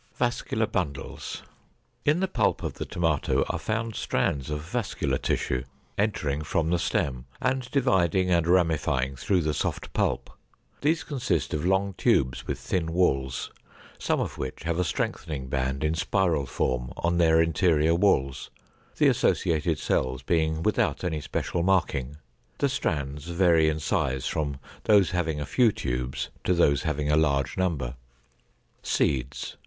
=Vascular Bundles.= In the pulp of the tomato are found strands of vascular tissue, entering from the stem, and dividing and ramifying through the soft pulp. These consist of long tubes with thin walls, some of which have a strengthening band in spiral form on their interior walls, the associated cells being without any special marking. The strands vary in size from those having a few tubes to those having a large number. =Seeds.